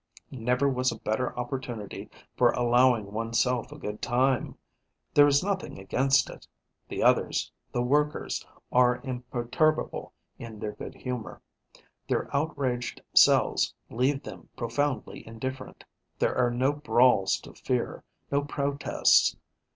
Never was a better opportunity for allowing one's self a good time. There is nothing against it. The others, the workers, are imperturbable in their good humour. Their outraged cells leave them profoundly indifferent. There are no brawls to fear, no protests.